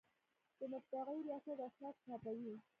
د مطبعې ریاست اسناد چاپوي